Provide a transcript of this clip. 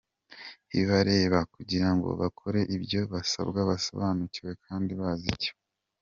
bibareba, kugira ngo bakore ibyo basabwa basobanukiwe kandi bazi icyo